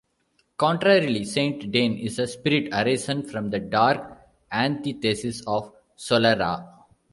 Contrarily, Saint Dane is a spirit arisen from the dark antithesis of Solara.